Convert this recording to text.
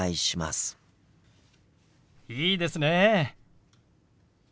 いいですね。